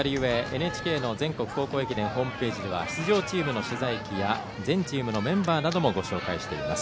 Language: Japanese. ＮＨＫの全国高校駅伝ホームページでは出場チームの取材記や全チームのメンバーなどをご紹介しています。